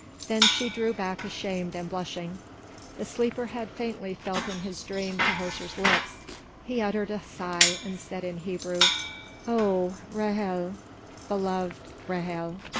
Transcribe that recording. Then she drew back ashamed and blushing. The sleeper had faintly felt in his dream Tahoser's lips; he uttered a sigh and said in Hebrew, "Oh, Ra'hel, beloved Ra'hel!"